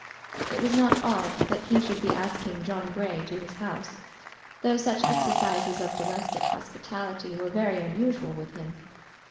It was not odd that he should be asking John Grey to his house, though such exercises of domestic hospitality were very unusual with him.